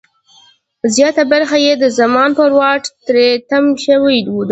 زیاته برخه یې د زمان پر واټ تری تم شوې ده.